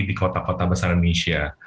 di kota kota besar indonesia